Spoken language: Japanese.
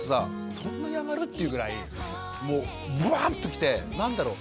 そんなにあがる？っていうぐらいもうブワッときて何だろう？